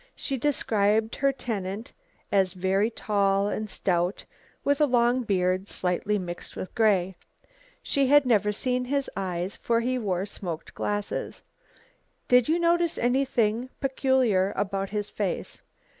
She described her tenant as very tall and stout with a long beard slightly mixed with grey. She had never seen his eyes, for he wore smoked glasses. "Did you notice anything peculiar about his face?"